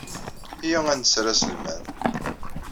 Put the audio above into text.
Iyya ad netter aselmad.